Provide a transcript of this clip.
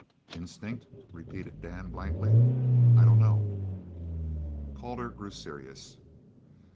"Instinct?" repeated Dan blankly, "I dunno." Calder grew serious.